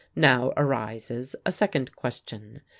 Now arises a second question.